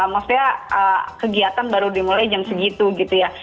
maksudnya kegiatan baru dimulai jam segitu gitu ya